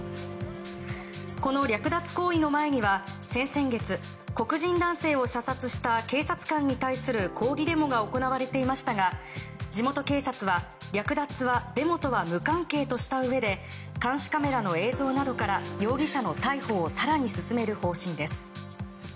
この略奪行為の前には先々月黒人男性を射殺した警察官に対する抗議デモが行われていましたが地元警察は、略奪はデモとは無関係としたうえで監視カメラの映像などから容疑者の逮捕を更に進める方針です。